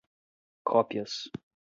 cópias